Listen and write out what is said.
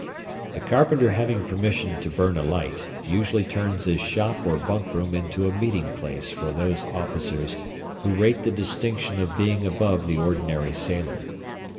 The carpenter having permission to burn a light, usually turns his shop or bunk room into a meeting place for those officers who rate the distinction of being above the ordinary sailor.